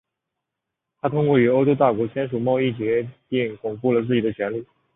他通过与欧洲大国签署贸易协定巩固了自己的权力。